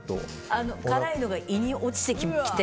辛いのが胃に落ちてきて